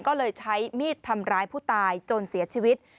ก็เลยใช้มีดทำร้ายผู้ตายจนเสียชีวิต